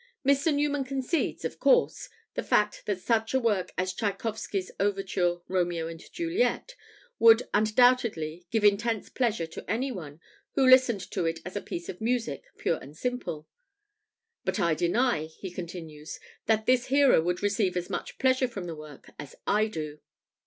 Mr. Newman concedes, of course, the fact that such a work as Tschaikowsky's overture, "Romeo and Juliet," would undoubtedly "give intense pleasure to any one who listened to it as a piece of music, pure and simple." "But I deny," he continues, "that this hearer would receive as much pleasure from the work as I do.